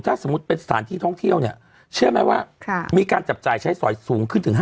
ถ้าสมมุติเป็นสถานที่ท่องเที่ยวเนี่ยเชื่อไหมว่ามีการจับจ่ายใช้สอยสูงขึ้นถึง๕๐